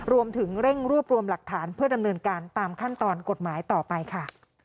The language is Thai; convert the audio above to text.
รวมถึงเร่งรวบรวมหลักฐานเพื่อดำเนินการตามขั้นตอนกฎหมายต่อไปค่ะ